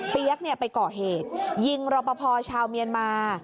เปี๊ยกไปก่อเหตุยิงรอปภชาวเมียนมา